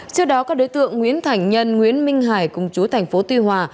trước đó các đối tượng nguyễn thảnh nhân nguyễn minh hải công chú tp tuy hòa